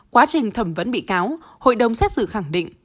quá trình thẩm vấn bị cáo hội đồng xét xử khẳng định